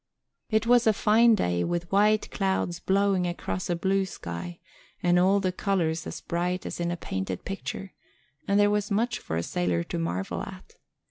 It was a fine day, with white clouds blowing across a blue sky and all the colors as bright as in a painted picture, and there was much for a sailor to marvel at.